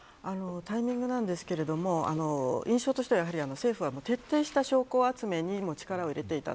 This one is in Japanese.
タイミングなんですけれども印象としてはやはり政府は徹底した証拠集めに力を入れていた。